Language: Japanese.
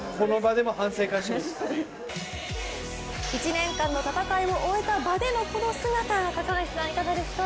１年間の戦いを終えた場でもこの姿、高橋さん、いかがですか？